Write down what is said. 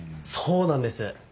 そうなんです。